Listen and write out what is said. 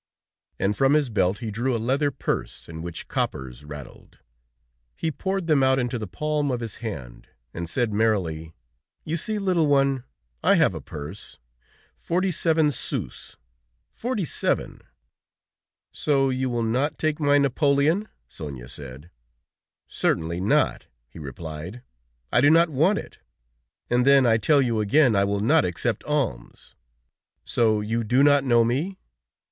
And from his belt he drew a leather purse in which coppers rattled. He poured them out into the palm of his hand, and said merrily: "You see, little one, I have a purse. Forty seven sous; forty seven!" "So you will not take my napoleon?" Sonia said. "Certainly not," he replied. "I do not want it; and then, I tell you again, I will not accept alms. So you do not know me?"